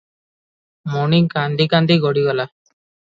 ମଣି କାନ୍ଦି କାନ୍ଦି ଗଡ଼ିଗଲା ।